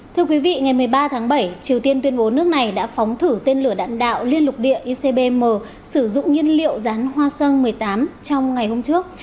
thưa quý vị ngày một mươi ba tháng bảy triều tiên tuyên bố nước này đã phóng thử tên lửa đạn đạo liên lục địa icbm sử dụng nhiên liệu rán hoa sơn một mươi tám trong ngày hôm trước